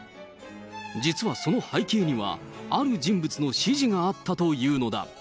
実はその背景には、ある人物の指示があったというのだ。